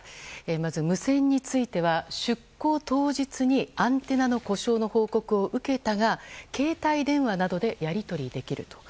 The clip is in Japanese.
まず無線については出航当日にアンテナ故障の報告を受けたが携帯電話などでやり取りできると。